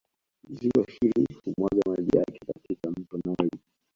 Ziwa hili humwaga maji yake katika Mto Nile